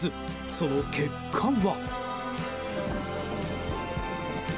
その結果は。